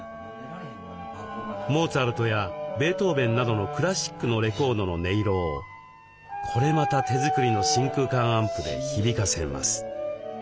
モーツァルトやベートーベンなどのクラシックのレコードの音色をこれまた手作りの真空管アンプで響かせます。